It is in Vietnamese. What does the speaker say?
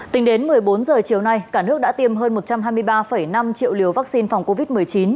tính đến một mươi bốn h chiều nay cả nước đã tiêm hơn một trăm hai mươi ba năm triệu liều vaccine phòng covid một mươi chín